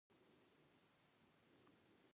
زما لاس درد کوي